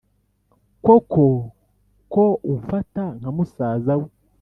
koko ko umfata nkamusaza we